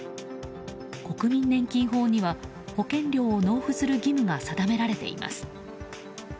国民年金法には保険料を納付する義務が定められています。